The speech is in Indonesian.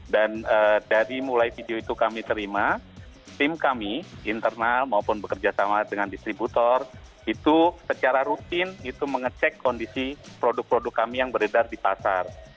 dan dari mulai video itu kami terima tim kami internal maupun bekerja sama dengan distributor itu secara rutin itu mengecek kondisi produk produk kami yang beredar di pasar